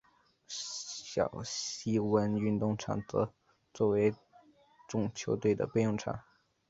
小西湾运动场则作为众球队的备用场。